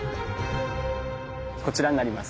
こちらになります。